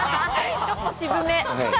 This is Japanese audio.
ちょっと渋め。